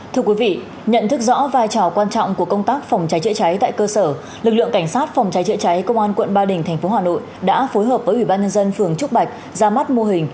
thưa quý vị nhận thức rõ vai trò quan trọng của công tác phòng cháy chữa cháy tại cơ sở lực lượng cảnh sát phòng cháy chữa cháy công an quận ba đình tp hà nội đã phối hợp với ủy ban nhân dân phường trúc bạch ra mắt mô hình